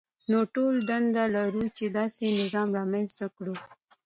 نو ټول دنده لرو چې داسې نظام رامنځته کړو.